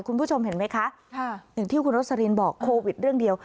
คุณผู้ชมเห็นไหมคะอย่างที่คุณโรสลินบอกโควิดเรื่องเดียว